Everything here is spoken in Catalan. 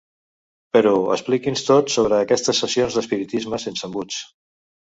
Però expliqui'ns tot sobre aquestes sessions d'espiritisme sense embuts.